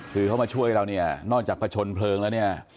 คือเขามาช่วยเราเนี่ยนอกจากผชนเพลิงแล้วเนี่ย